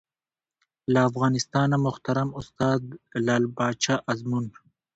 له افغانستانه محترم استاد لعل پاچا ازمون